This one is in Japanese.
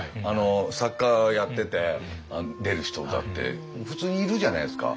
作家やってて出る人だって普通にいるじゃないですか。